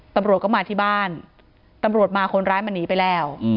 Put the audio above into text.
ตำรวจก็มาที่บ้านตำรวจมาคนร้ายมันหนีไปแล้ว